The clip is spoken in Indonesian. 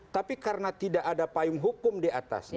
tapi karena tidak ada payung hukum di atasnya